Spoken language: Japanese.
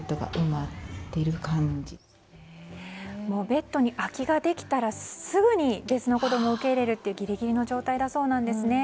ベッドに空きができたらすぐに別の子供を受け入れるというギリギリの状態なんだそうです。